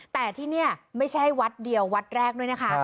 แต่ที่นี่ไม่ใช่วัดเดียววัดแรกด้วยนะคะ